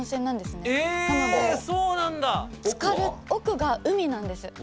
奧が海なんです。